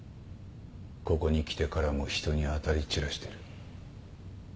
ここに来てからも人に当たり散らしてる。